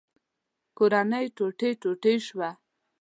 کورنۍ ټوټې ټوټې شوه.